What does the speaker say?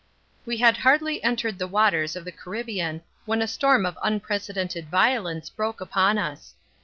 We had hardly entered the waters of the Caribbean when a storm of unprecedented violence broke upon us.